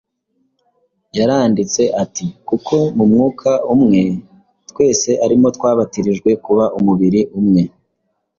yaranditse ati: “kuko mu mwuka umwe twese ari mo twabatirijwe kuba umubiri umwe,